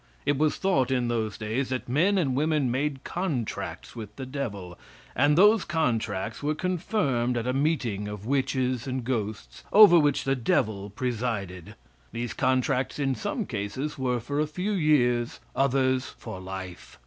It was thought in those days that men and women made contracts with the devil, and those contracts were confirmed at a meeting of witches and ghosts, over which the devil presided; these contracts in some cases were for a few years, others for life.